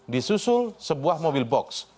disusul sebuah mobil box